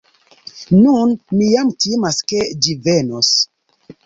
Nun mi jam timas ke ĝi venos.